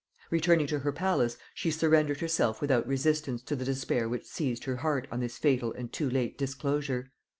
Returning to her palace, she surrendered herself without resistance to the despair which seized her heart on this fatal and too late disclosure.